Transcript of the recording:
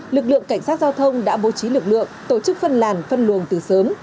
lực lượng cảnh sát giao thông đã bố trí lực lượng tổ chức phân làn phân luồng từ sớm